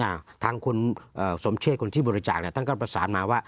ทางคุณเอ่อสมเชษคนที่บริจาคเนี้ยท่านก็ประสานมาว่า